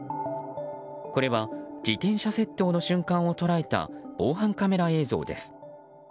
これは自転車窃盗の瞬間を捉えた防犯カメラ映像です。